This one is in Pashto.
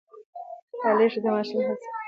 لوښي د ماشوم لپاره ځانګړي وساتئ.